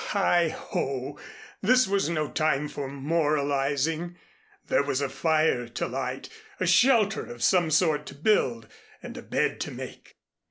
Heigho! This was no time for moralizing. There was a fire to light, a shelter of some sort to build and a bed to make.